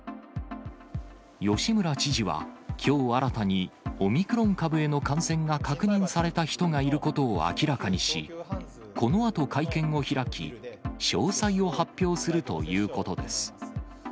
吉村知事はきょう新たにオミクロン株への感染が確認された人がいることを明らかにし、このあと、会見を開き、詳細を発表するということです。